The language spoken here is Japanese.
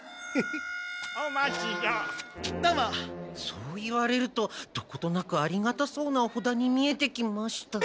そう言われるとどことなくありがたそうなお札に見えてきました。